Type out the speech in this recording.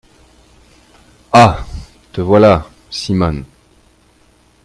Ah ! te voilà, Simone.